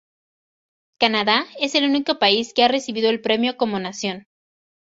Canadá es el único país que ha recibido el premio como nación.